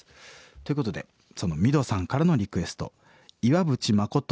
ということでそのミドさんからのリクエスト岩渕まこと